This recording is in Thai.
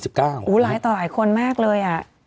หูเหล้าหลายคนมากเลย